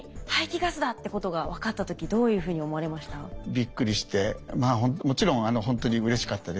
びっくりしてもちろんほんとにうれしかったです。